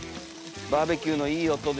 バーベキューのいい音でしょ？